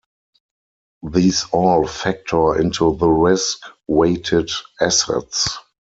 These all factor into the risk weighted assets.